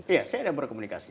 iya saya ada berkomunikasi